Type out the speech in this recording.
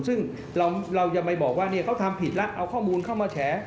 ซึ่งเราจะไปบอกว่าเขาทำผิดแล้วเอาข้อมูลเข้ามาแฉ